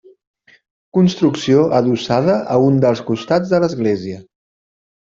Construcció adossada a un dels costats de l'església.